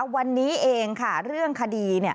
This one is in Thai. วันนี้เองค่ะเรื่องคดี